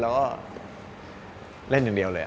แล้วก็เล่นอย่างเดียวเลย